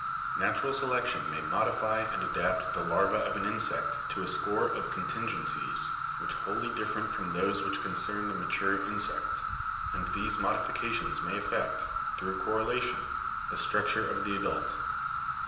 Natu ral selection may modify and adapt the larva of an insect to a score of contingencies wholly different from those which concern the mature insect; and these modi fications may effect, through correlation, the structure of the adult.